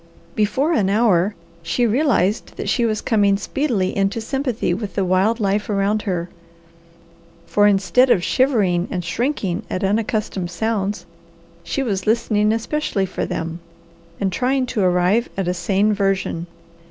Before an hour she realized that she was coming speedily into sympathy with the wild life around her; for, instead of shivering and shrinking at unaccustomed sounds, she was listening especially for them, and trying to arrive at a sane version.